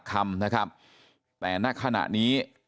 ส่วนเรื่องทางคดีนะครับตำรวจก็มุ่งไปที่เรื่องการฆาตฉิงทรัพย์นะครับ